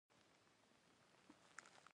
د روژې نولسم روژه ماتي په همدې ډول وشو.